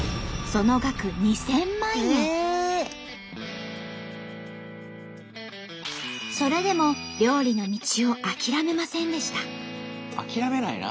その額それでも料理の道を諦めませんでした。